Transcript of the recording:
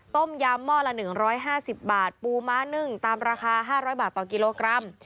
ต้มยำหม้อละ๑๕๐บาทปูม้านึ่งตามราคา๕๐๐บาทต่อกิโลกรัม